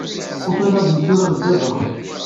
Ufan-aɣ-d netturar dddabax.